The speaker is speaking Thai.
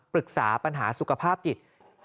ปรึกษาปัญหาสุขภาพจิต